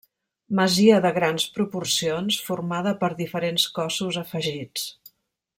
Masia de grans proporcions, formada per diferents cossos afegits.